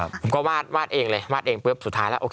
ผมก็วาดวาดเองเลยวาดเองปุ๊บสุดท้ายแล้วโอเค